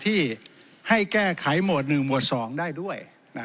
ที่ให้แก้ไขหมวดหนึ่งหมวดสองได้ด้วย